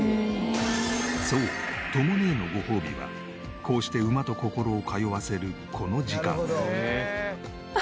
そうとも姉のごほうびはこうして馬と心を通わせるこの時間。